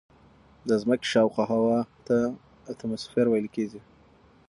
د ځمکې شاوخوا هوا ته اتموسفیر ویل کیږي.